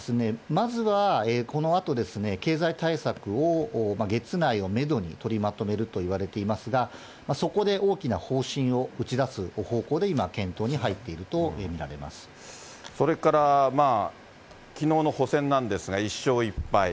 まずはこのあと、経済対策を月内をメドに取りまとめるといわれていますが、そこで大きな方針を打ち出す方向で今、それからまあ、きのうの補選なんですが、１勝１敗。